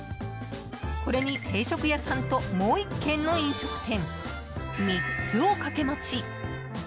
これに定食屋さんともう１軒の飲食店３つを掛け持ち。